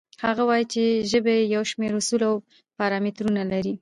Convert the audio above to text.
هغه وایي چې ژبې یو شمېر اصول او پارامترونه لري.